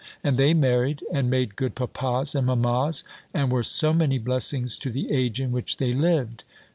And they married, and made good papas and mammas, and were so many blessings to the age in which they lived.